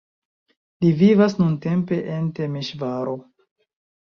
Li vivas nuntempe en Temeŝvaro.